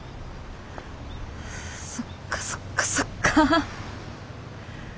そっかそっかそっか。